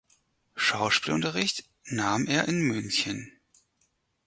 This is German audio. Schauspielunterricht nahm er in München.